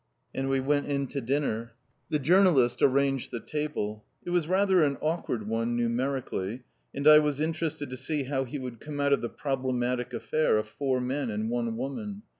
And we went in to dinner. The journalist arranged the table. It was rather an awkward one, numerically, and I was interested to see how he would come out of the problematic affair of four men and one woman.